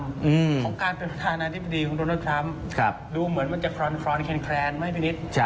ของการเป็นประธานาธิบดีของโดนัลดทรัมป์ดูเหมือนมันจะคลอนแคลนไหมพี่นิด